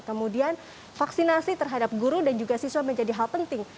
kemudian vaksinasi terhadap guru dan juga siswa menjadi hal penting